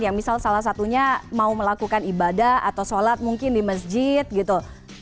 yang misal salah satunya mau melakukan ibadah atau sholat mungkin di masjid gitu